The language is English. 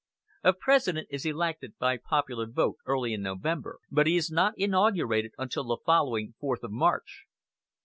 A President is elected by popular vote early in November, but he is not inaugurated until the following fourth of March.